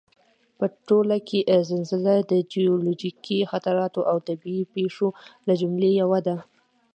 په ټوله کې زلزله د جیولوجیکي خطراتو او طبعي پېښو له جملې یوه ده